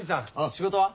仕事は？